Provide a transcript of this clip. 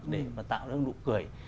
để tạo ra nụ cười